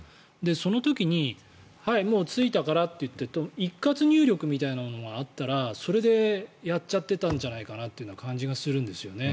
その時にはい、着いたからって一括入力みたいなものがあったらそれでやっちゃっていたんじゃないかなという感じがするんですよね。